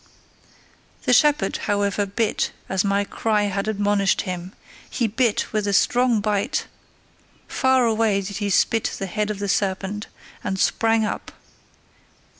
The shepherd however bit as my cry had admonished him; he bit with a strong bite! Far away did he spit the head of the serpent : and sprang up.